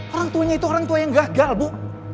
orang tuanya itu orang tua yang gagal bu